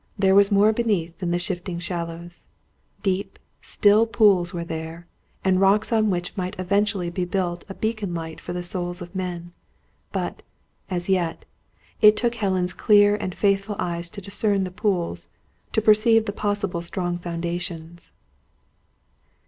There was more beneath than the shifting shallows. Deep, still pools were there, and rocks on which might eventually be built a beacon light for the souls of men. But, as yet, it took Helen's clear and faithful eyes to discern the pools; to perceive the possible strong foundations.